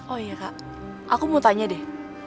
oh iya kak aku mau tanya deh